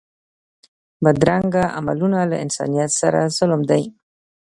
بدرنګه عملونه له انسانیت سره ظلم دی